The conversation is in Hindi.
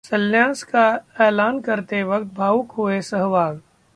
संन्यास का ऐलान करते वक्त भावुक हुए सहवाग